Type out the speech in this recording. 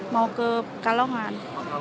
mau ke kalongan